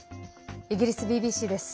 イギリスＢＢＣです。